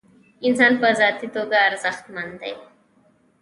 انسان په ذاتي توګه ارزښتمن دی.